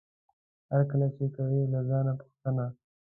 هر کار چې کوې له ځانه پوښته